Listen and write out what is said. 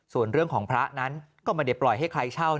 ส่วนเรื่องของพระนั้นก็ไม่ได้ปล่อยให้ใครเช่า